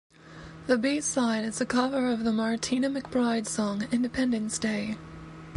The B-side is a cover of the Martina McBride song "Independence Day".